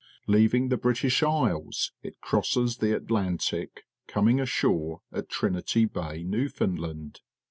Lea\ing the British Isles, it cr osses t he At lantic, coming ashore at Trinity Bay, New foundland.